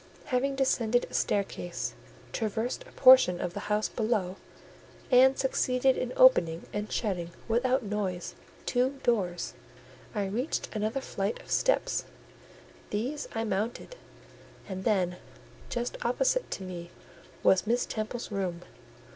Having descended a staircase, traversed a portion of the house below, and succeeded in opening and shutting, without noise, two doors, I reached another flight of steps; these I mounted, and then just opposite to me was Miss Temple's room.